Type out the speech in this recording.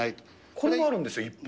これもあるんですよ、一方。